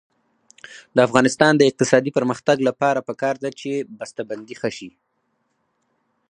د افغانستان د اقتصادي پرمختګ لپاره پکار ده چې بسته بندي ښه شي.